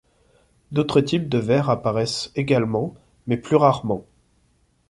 D’autres types de vers apparaissent également, mais plus rarement.